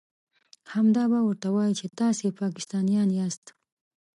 همدا به ورته وايئ چې تاسې پاکستانيان ياست.